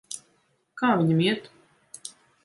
Kā viņam iet?